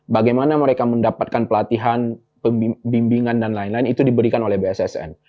bagaimana mereka mendapatkan pelatihan pembimbingan dan lain lain itu diberikan oleh bssn